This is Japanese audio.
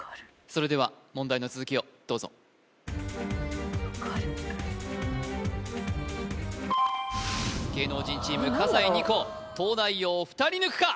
それでは問題の続きをどうぞ芸能人チーム笠井虹来東大王を２人抜くか？